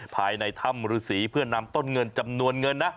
ภายในถ้ำฤษีเพื่อนำต้นเงินจำนวนเงินนะ